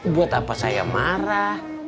buat apa saya marah